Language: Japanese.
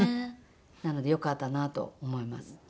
なのでよかったなと思います。